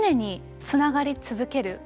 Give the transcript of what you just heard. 常につながり続ける。